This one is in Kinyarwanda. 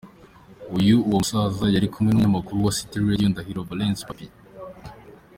Uyu uwo musaza yari kumwe n’ umunyamakuru wa City Radio Ndahiro Valens Papi.